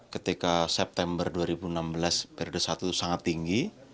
ketika september dua ribu enam belas periode satu sangat tinggi